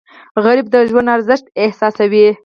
غریب د ژوند ارزښت احساسوي